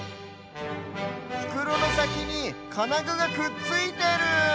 ふくろのさきにかなぐがくっついてる！